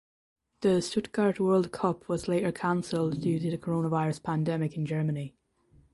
The Stuttgart World Cup was later canceled due to the coronavirus pandemic in Germany.